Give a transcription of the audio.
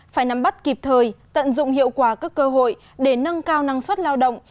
phải nắm bắt kịp thời tận dụng hiệu quả các cơ hội để nâng cao năng suất lao động